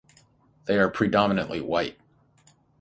They are predominantly white.